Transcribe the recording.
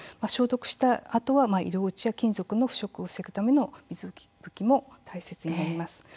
消毒したあとは色落ちや金属の腐食を防ぐための水拭きも大切になります。